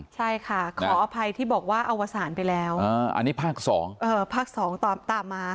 ใช่ค่ะขออภัยที่บอกว่าอวสารไปแล้วอันนี้ภาค๒ภาค๒ตามมา